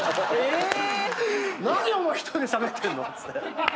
「何お前１人でしゃべってんの⁉」っつって。